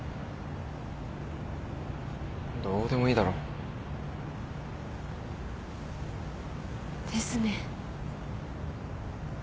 どうでもいいだろ。ですね。